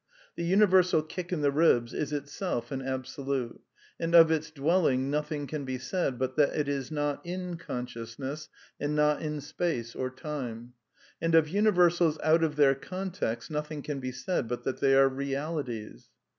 The universal kick in the ribs is itself an absolute ; and of its dwelling nothing can be said but that it is not in consciousness, and not in space or time. And of universals out of their context nothing can be said but that they are realities.